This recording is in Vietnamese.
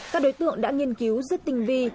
các đối tượng đã nghiên cứu rất tinh vi